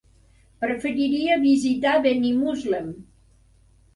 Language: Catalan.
Preferiria visitar Benimuslem.